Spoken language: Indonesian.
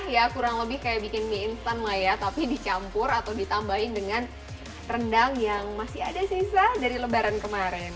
ya kurang lebih kayak bikin mie instan lah ya tapi dicampur atau ditambahin dengan rendang yang masih ada sisa dari lebaran kemarin